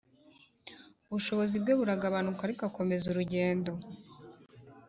Ubushobozi bwe buragabanuka ariko akomeza urugendo